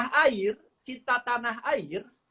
pan cinta tanah air